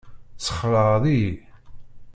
Tessexlaɛeḍ-iyi.